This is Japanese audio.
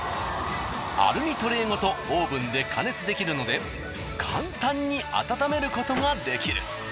アルミトレーごとオーブンで加熱できるので簡単に温めることができる。